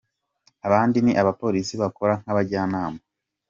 Abandi ni abapolisi bakora nk’abajyanama, abayobora abandi n’abashinzwe gutoza abandi.